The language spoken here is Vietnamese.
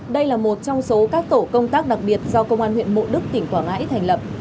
đây là một trong số các tổ công tác đặc biệt do công an huyện mộ đức tỉnh quảng ngãi thành lập